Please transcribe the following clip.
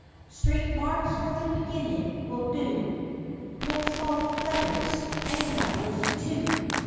Straight marks for the beginning will do ; Next follow letters, and numbers, too.